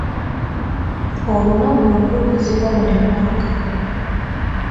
Olunaku luno lukuzibwa buli mwaka.